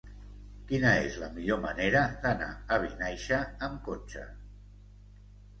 Quina és la millor manera d'anar a Vinaixa amb cotxe?